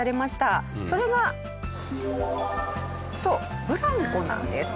それがそうブランコなんです。